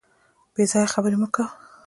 بې ځایه خبري مه کوه .